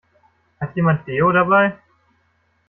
Hat jemand Deo dabei?